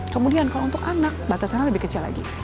kemudian kalau untuk anak batasannya lebih kecil lagi